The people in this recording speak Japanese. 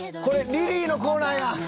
「これリリーのコーナーや！」